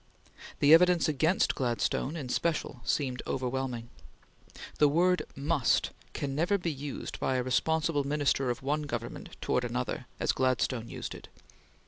The evidence against Gladstone in special seemed overwhelming. The word "must" can never be used by a responsible Minister of one Government towards another, as Gladstone used it.